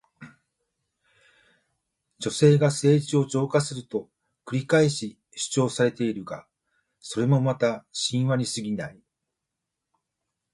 女性が政治を浄化すると繰り返し主張されているが、それもまた神話にすぎない。